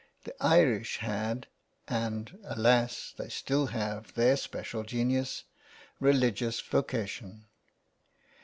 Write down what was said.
The Irish had, and alas ! they still have their special genius, religious vocation."